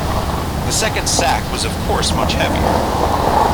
The second sack was of course much heavier.